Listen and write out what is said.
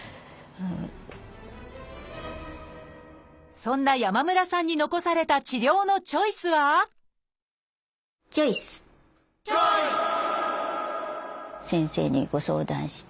そんな山村さんに残された治療のチョイスはチョイス！って一体何？